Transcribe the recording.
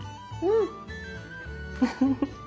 うん！